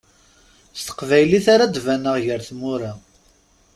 S teqbaylit ara d-baneɣ gar tmura.